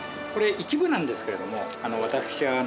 これ一部なんですけれども。